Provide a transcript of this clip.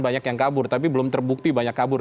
banyak yang kabur tapi belum terbukti banyak kabur